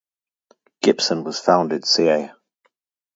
Gipson was founded ca.